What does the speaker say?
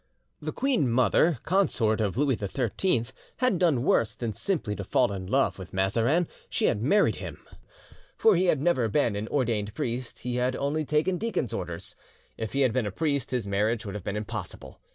"The queen mother, consort of Louis XIII, had done worse than simply to fall in love with Mazarin, she had married him, for he had never been an ordained priest, he had only taken deacon's orders. If he had been a priest his marriage would have been impossible.